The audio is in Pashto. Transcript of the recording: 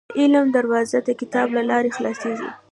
• د علم دروازه، د کتاب له لارې خلاصېږي.